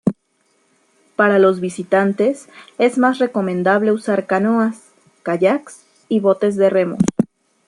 Para los visitantes es más recomendable usar Canoas, kayaks y botes de remos.